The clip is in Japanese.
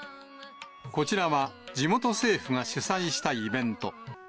こちらは、地元政府が主催したイベント。